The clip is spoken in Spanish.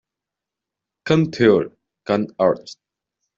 Cand.theol., Cand.arch.